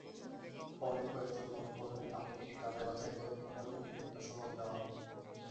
পরে প্রয়োজন মনে করলে আবেদন যাচাই-বাছাই করে আবার মুক্তিযোদ্ধা সনদ দেওয়া হবে।